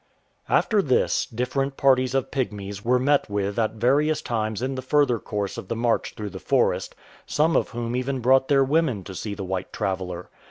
y(. After this, different parties of Pygmies were met with at various times in the further course of the march through the forest, some of whom even brought their women to see the white traveller.